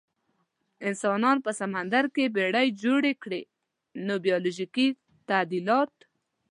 انسانانو په سمندر کې بیړۍ جوړې کړې، نه بیولوژیکي تعدیلات.